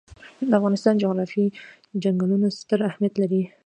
د افغانستان جغرافیه کې چنګلونه ستر اهمیت لري.